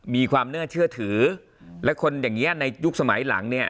มีความน่าเชื่อถือและคนอย่างนี้ในยุคสมัยหลังเนี่ย